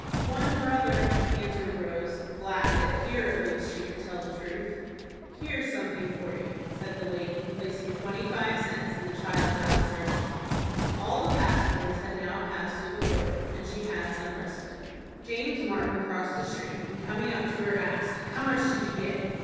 "One brother," answered Rose, glad that here at least she could tell the truth. "Here's something for you," said the lady, placing twenty five cents in the child's outstretched palm. All the passengers had now passed through the portal, and she had some respite. James Martin crossed the street, and, coming up to her, asked, "How much did you get?"